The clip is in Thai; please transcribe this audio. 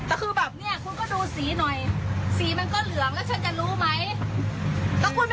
อ่าคุณไม่ได้ชิมทุกแพ็คนะคะ